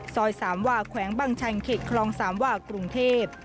ซอย๓หว่าแขวงบังชัยเข็กคลอง๓หว่ากรุงเทพฯ